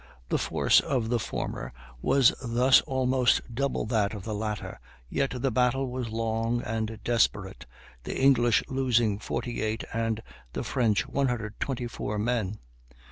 The force of the former was thus almost double that of the latter, yet the battle was long and desperate, the English losing 48 and the French 124 men.